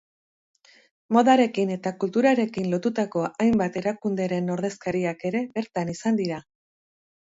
Modarekin eta kulturarekin lotutako hainbat erakunderen ordezkariak ere bertan izan dira.